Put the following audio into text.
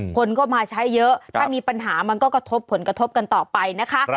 คนก็มาใช้เยอะถ้ามีปัญหามันก็กระทบผลกระทบกันต่อไปนะคะ